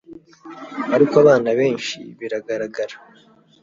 Ariko abana benshi biragaragara